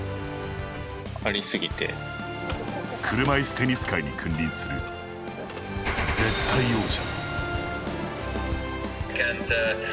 車いすテニス界に君臨する絶対王者。